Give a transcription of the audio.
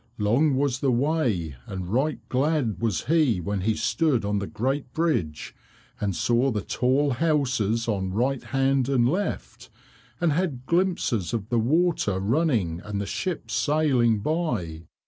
Long was the way and right glad was he when he stood on the great bridge and saw the tall houses on right hand and left, and had glimpses of the water running and the ships sailing by.